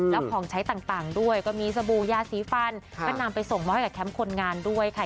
แล้วของใช้ต่างด้วยก็มีสบู่ยาสีฟันก็นำไปส่งมอบให้กับแคมป์คนงานด้วยค่ะ